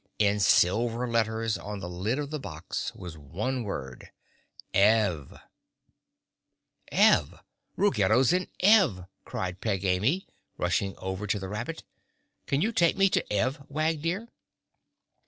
In silver letters on the lid of the box was one word—Ev! "Ev—Ruggedo's in Ev!" cried Peg Amy, rushing over to the rabbit. "Can you take me to Ev, Wag dear?"